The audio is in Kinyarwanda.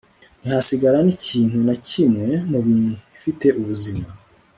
ntihasigara n'ikintu na kimwe mu bifite ubuzima